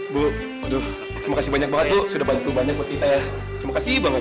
bu aduh terima kasih banyak banget tuh sudah bantu banyak buat kita ya terima kasih banget